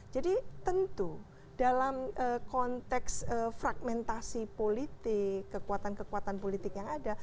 jadi tentu dalam konteks fragmentasi politik kekuatan kekuatan politik yang ada